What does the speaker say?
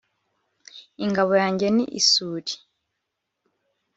Ingabo yanjye ni isuri